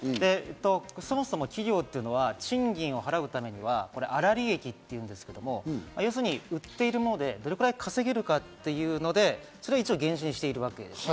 そもそも企業というのは賃金を払うためには、粗利益というんですが、要するに、売っているものでどれくらい稼げるかというので原資にしているわけです。